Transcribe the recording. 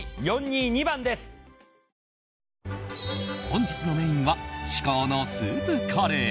本日のメインは至高のスープカレー。